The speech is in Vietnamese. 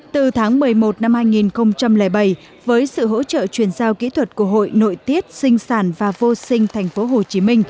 từ tháng một mươi một năm hai nghìn bảy với sự hỗ trợ chuyển giao kỹ thuật của hội nội tiết sinh sản và vô sinh tp hcm